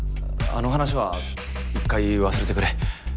あの話は一回忘れてくれ。